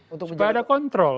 supaya ada kontrol